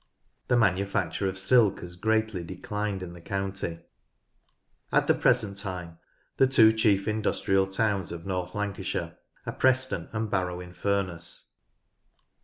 The manufacture of silk has greatly declined in the county. At the present time the two chief industrial towns of North Lancashire are Preston and Barrow in Furness.